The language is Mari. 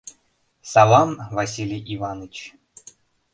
— Салам, Василий Иваныч.